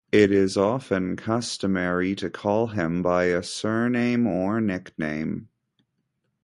It is often customary to call him by a surname or nickname.